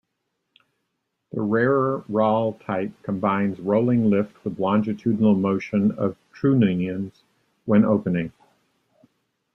The rarer Rall type combines rolling lift with longitudinal motion on trunnions when opening.